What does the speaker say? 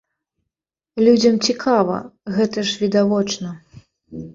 Людзям цікава, гэта ж відавочна.